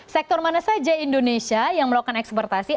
sektor mana saja indonesia yang melakukan eksportasi